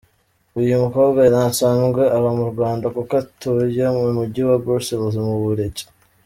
Uyu mukobwa ntasanzwe aba mu Rwanda kuko atuye mu Mujyi wa Bruxelles mu Bubiligi.